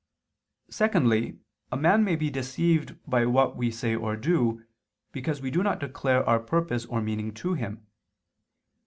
Secondly, a man may be deceived by what we say or do, because we do not declare our purpose or meaning to him.